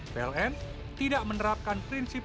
pln tidak menerapkan prinsip